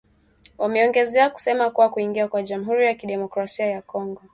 Wameongeza kusema kuwa kuingia kwa jamhuri ya kidemokrasia ya Kongo